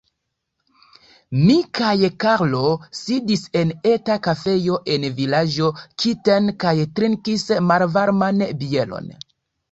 Mi kaj Karlo sidis en eta kafejo en vilaĝo Kiten kaj trinkis malvarman bieron.